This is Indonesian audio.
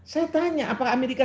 saya tanya apakah amerika